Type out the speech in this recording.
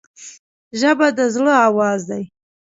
ژبه د زړه آواز دی